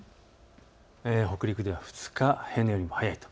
北陸では２日、平年よりも早いと。